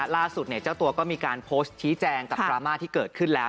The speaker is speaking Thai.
เจ้าตัวก็มีการโพสต์ชี้แจงกับดราม่าที่เกิดขึ้นแล้ว